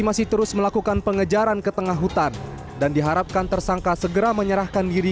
masih terus melakukan pengejaran ke tengah hutan dan diharapkan tersangka segera menyerahkan diri